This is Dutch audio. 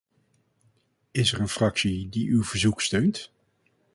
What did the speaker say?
Is er een fractie die uw verzoek steunt?